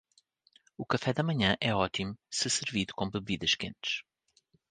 O café da manhã é ótimo se servido com bebidas quentes.